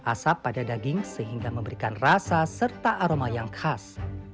asap pada daging sehingga memberikan rasa serta aroma yang khas